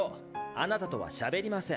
あなたとはしゃべりません。